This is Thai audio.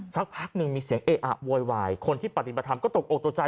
สักพักหนึ่งมีเสียงเอะอะโวยวายคนที่ปฏิบัติธรรมก็ตกออกตกใจ